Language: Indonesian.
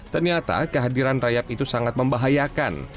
ternyata kehadiran rayap itu sangat membahayakan